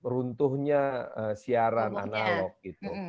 runtuhnya siaran analog gitu